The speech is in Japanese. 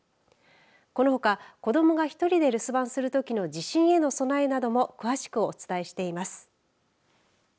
このほか子どもが１人で留守番するときの地震への備えなども詳しくお伝えしています。